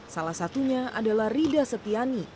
salah satunya adalah rida setiani